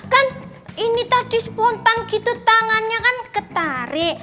kan ini tadi spontan gitu tangannya kan ketarik